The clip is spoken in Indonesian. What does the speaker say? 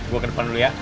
gue ke depan dulu ya